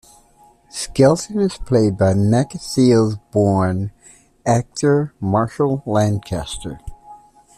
Skelton is played by Macclesfield-born actor Marshall Lancaster.